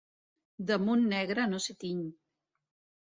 Damunt negre no s'hi tiny.